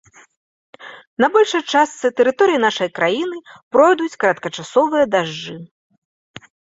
На большай частцы тэрыторыі нашай краіны пройдуць кароткачасовыя дажджы.